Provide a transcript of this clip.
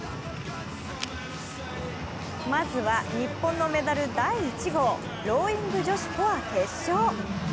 まずは日本のメダル第１号、ローイング女子フォア決勝。